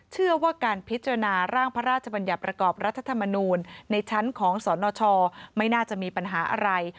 เชื่อว่าการพิจารณาร่างพระราชบัญญัติประกอบรัฐธรรมนูลในชั้นของสนชไม่น่าจะมีปัญหาอะไร